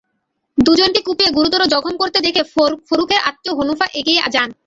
দুজনকে কুপিয়ে গুরুতর জখম করতে দেখে ফরুখের আত্মীয় হনুফা এগিয়ে যান।